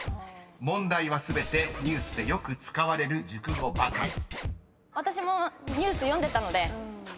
［問題は全てニュースでよく使われる熟語ばかり］と思います。